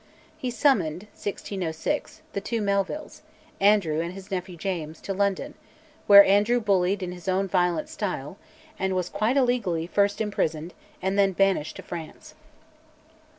He summoned (1606) the two Melvilles, Andrew and his nephew James, to London, where Andrew bullied in his own violent style, and was, quite illegally, first imprisoned and then banished to France.